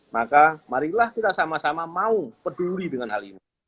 maka marilah kita sama sama mau peduli dengan hal ini